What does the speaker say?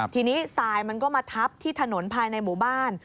ทีนี้ทรายมันก็มาทับที่ถนนภายในหมู่บ้าน